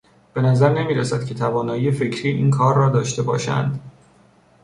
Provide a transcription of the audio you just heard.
به نظر نمیرسد که توانایی فکری این کار را داشته باشند.